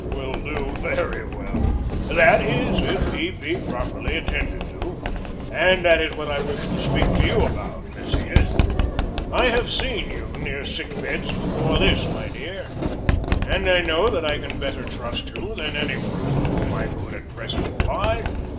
Will do very well! That is, if he be properly attended to, and that is what I wished to speak to you about, Miss Edith. I have seen you near sick beds before this, my dear, and know that I can better trust you than any one to whom I could at present apply.